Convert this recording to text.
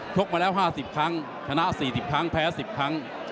กมาแล้ว๕๐ครั้งชนะ๔๐ครั้งแพ้๑๐ครั้ง